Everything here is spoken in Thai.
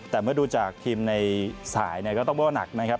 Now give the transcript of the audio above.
แต่เมื่อดูจากทีมในสายเนี่ยก็ต้องว่าหนักนะครับ